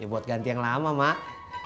buat ganti yang lama mak